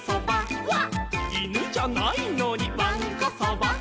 「いぬじゃないのにわんこそば」」